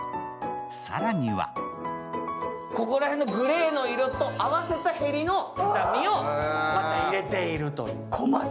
更にはここら辺のグレーのへりと合わせた畳をまた入れているという。